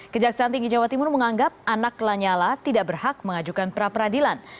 kejaksaan tinggi jawa timur menganggap anak lanyala tidak berhak mengajukan pra peradilan